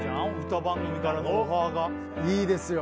歌番組からのオファーがいいですよ